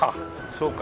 そうか。